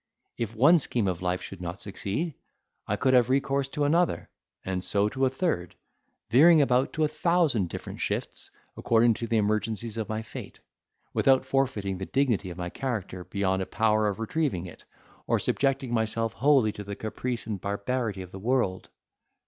If one scheme of life should not succeed, I could have recourse to another, and so to a third, veering about to a thousand different shifts, according to the emergencies of my fate, without forfeiting the dignity of my character beyond a power of retrieving it, or subjecting myself wholly to the caprice and barbarity of the world.